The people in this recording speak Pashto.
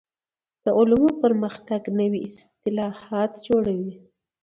د علومو پرمختګ نوي اصطلاحات جوړوي.